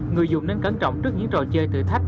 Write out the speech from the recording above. người dùng nên cẩn trọng trước những trò chơi thử thách